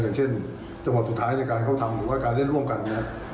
อย่างเช่นจังหวะสุดท้ายในการเข้าทำหรือว่าการเล่นร่วมกันนะครับ